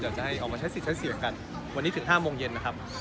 จะให้ออกมาใช้สิทธิ์ใช้เสียงกันวันนี้ถึง๕โมงเย็นนะครับ